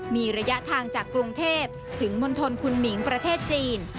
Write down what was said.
มีระยะทางจากกรุงเทพถึงมณฑลคุณหมิงประเทศจีน